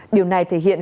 điều này thể hiện